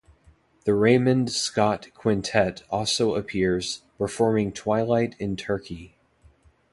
The Raymond Scott Quintette also appears, performing Twilight In Turkey.